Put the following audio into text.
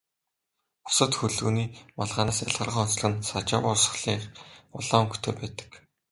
Бусад хөлгөний малгайнаас ялгарах онцлог нь Сажава урсгалынх улаан өнгөтэй байдаг.